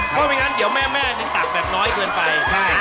เพราะไม่งั้นเดี๋ยวแม่นี่ตักแบบน้อยเกินไป